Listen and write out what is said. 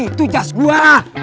itu gas gua